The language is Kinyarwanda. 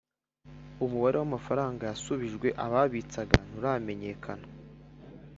Umubare w’amafaranga yasubijwe ababitsaga nturamenyekana